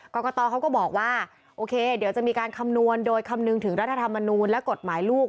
กรกตเขาก็บอกว่าโอเคเดี๋ยวจะมีการคำนวณโดยคำนึงถึงรัฐธรรมนูลและกฎหมายลูก